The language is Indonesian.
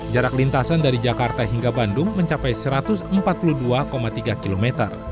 jarak lintasan dari jakarta hingga bandung mencapai satu ratus empat puluh dua tiga km